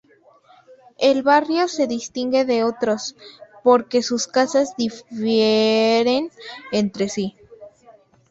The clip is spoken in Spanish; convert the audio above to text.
El barrio se distingue de otros porque sus casas difieren entre sí.